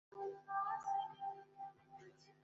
মা, এটা পাপ।